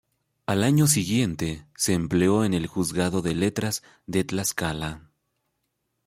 Al año siguiente se empleó en el Juzgado de Letras de Tlaxcala.